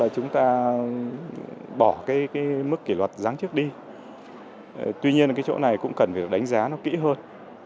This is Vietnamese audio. chúng ta bỏ cái mức kỷ luật giáng chức đi tuy nhiên cái chỗ này cũng cần phải đánh giá nó kỹ hơn